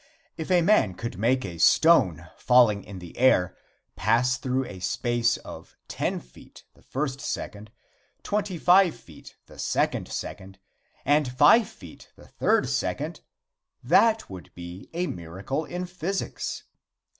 If a man could make a stone, falling in the air, pass through a space of ten feet the first second, twenty five feet the second second, and five feet the third second, that would be a miracle in physics.